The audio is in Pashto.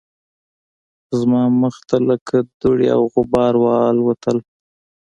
زما مخ ته لکه دوړې او غبار والوتل